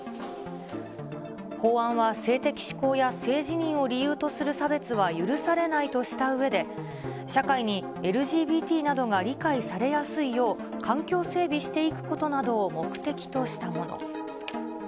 法案は性的思考や性自認を理由とすることは許されないとしたうえで、社会にＬＧＢＴなどが理解されやすいよう、整備していくことなどを目的としたもの。